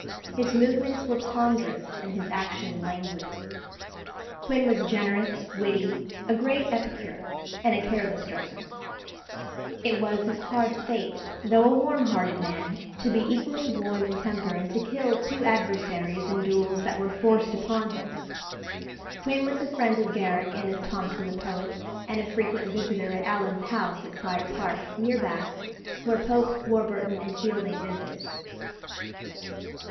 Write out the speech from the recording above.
His movements were ponderous and his action languid. Quin was generous, witty, a great epicure, and a careless dresser. It was his hard fate, though a warm hearted man, to be equally warm in temper, and to kill two adversaries in duels that were forced upon him. Quin was a friend of Garrick and of Thomson the poet, and a frequent visitor at Allen's house at Prior Park, near Bath, where Pope, Warburton, and Fielding visited.